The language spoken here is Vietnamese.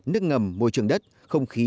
nước ngầm môi trường đất không khí